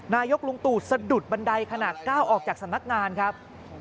นายกลุงตู่สะดุดบันไดขนาดก้าวออกจากสำนักงานครับ